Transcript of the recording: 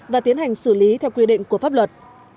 và tiến hành xử lý theo quy định của pháp luật